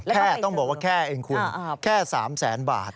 แค่ต้องบอกว่าแค่เองคุณแค่๓แสนบาท